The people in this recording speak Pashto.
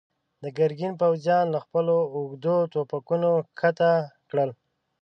د ګرګين پوځيانو له خپلو اوږو ټوپکونه کښته کړل.